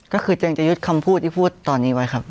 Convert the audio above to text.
ก็คือเจนจะยึดคำพูดที่พูดตอนนี้ไว้ครับ